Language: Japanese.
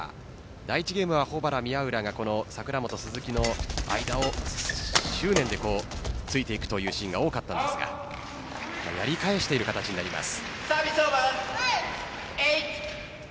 第１ゲームは保原・宮浦が櫻本・鈴木の間を執念で突いていくというシーンが多かったんですがやり返していく形になります。